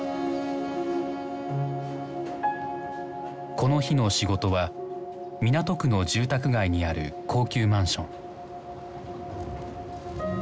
この日の仕事は港区の住宅街にある高級マンション。